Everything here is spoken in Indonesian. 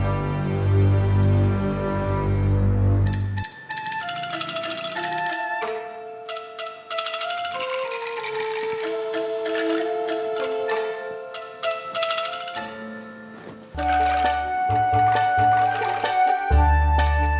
bagaimana kalau nggak beres